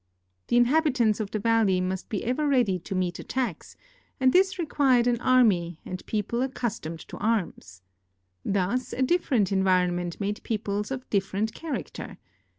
The inhabitants of the valley must be ever ready to meet attacks, and this required an army and people accustomed to arms. Thus a different environment made peoples of different character.